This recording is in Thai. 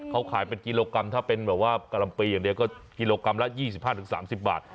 เขาขายเป็นกิโลกรัมถ้าเป็นแบบว่ากะลำปรีอย่างเดียวก็กิโลกรัมละยี่สิบห้าถึงสามสิบบาท